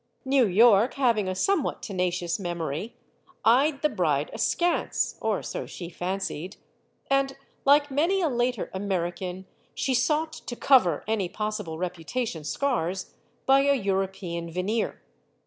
New York, having a somewhat tenacious memory, 96 STORIES OF THE SUPER WOMEN eyed the bride askance or so she fancied. And, like many a later American, she sought to cover any possi ble reputation scars by a European veneer.